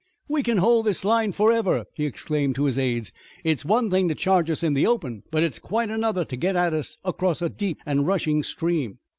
"We can hold this line forever!" he exclaimed to his aides. "It's one thing to charge us in the open, but it's quite another to get at us across a deep and rushing stream.